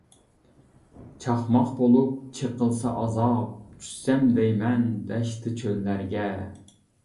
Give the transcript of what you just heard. چاقماق بولۇپ چېقىلسا ئازاب، چۈشسەم دەيمەن دەشتى چۆللەرگە.